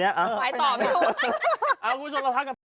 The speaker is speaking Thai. ไหวต่อไม่ต้อง